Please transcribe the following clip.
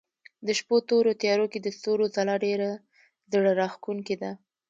د شپو تورو تيارو کې د ستورو ځلا ډېره زړه راښکونکې ده.